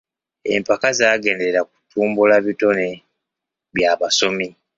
Empaka zaagenderera kutumbula bitone by'abasomi.